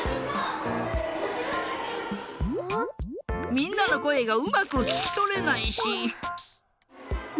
みんなのこえがうまくききとれないし。